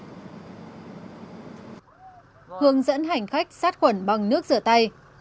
hướng dẫn hành khách sát khuẩn bằng nước rửa tay